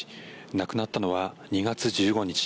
亡くなったのは２月１５日。